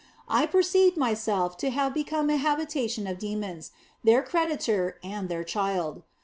I perceived myself to have become an habitation of demons, their creditor and their child.